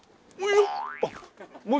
よっ！